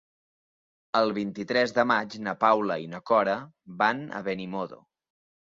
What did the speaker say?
El vint-i-tres de maig na Paula i na Cora van a Benimodo.